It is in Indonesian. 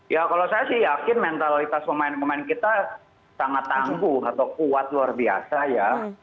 ya kalau saya sih yakin mentalitas pemain pemain kita sangat tangguh atau kuat luar biasa ya